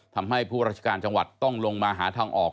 ทำให้ผู้ราชการจังหวัดต้องลงมาหาทางออก